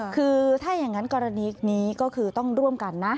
คือถ้าอย่างนั้นกรณีนี้ก็คือต้องร่วมกันนะ